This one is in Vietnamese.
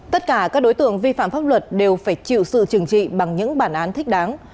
tất cả các đối tượng vi phạm pháp luật đều phải chịu sự trừng trị bằng những bản án thích đáng